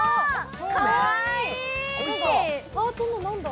かわいい。